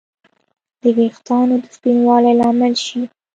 د ویښتانو د سپینوالي لامل شي